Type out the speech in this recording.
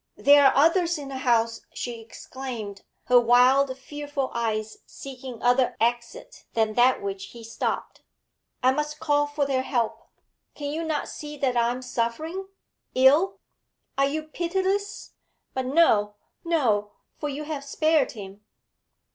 'There are others in the house,' she exclaimed, her wild, fearful eyes seeking other exit than that which he stopped. 'I must call for their help. Can you not see that I am suffering ill? Are you pitiless? But no no for you have spared him!'